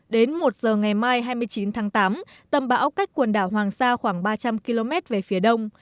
đến một giờ ngày mai hai mươi chín tháng tám tâm bão cách quần đảo hoàng sa khoảng ba trăm linh km về phía đông